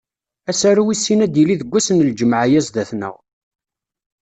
Asaru wis sin ad d-yili deg wass n lǧemɛa-ya sdat-neɣ.